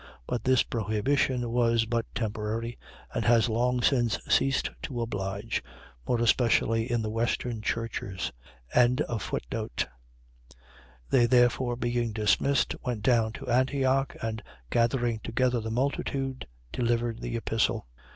But this prohibition was but temporary, and has long since ceased to oblige; more especially in the western churches. 15:30. They therefore, being dismissed, went down to Antioch and, gathering together the multitude, delivered the epistle.